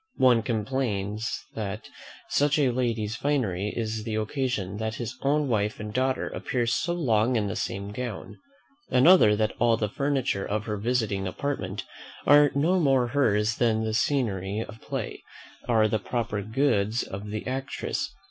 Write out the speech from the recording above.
One complains that such a lady's finery is the occasion that his own wife and daughter appear so long in the same gown. Another, that all the furniture of her visiting apartment are no more hers than the scenery of a play are the proper goods of the actress.